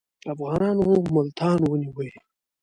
افغانانو ملتان ونیوی.